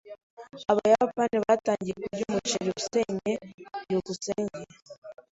Abayapani batangiye kurya umuceri usennye? byukusenge